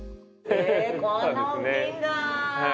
へえこんなおっきいんだ！